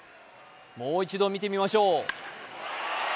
もう一度見てみましょう。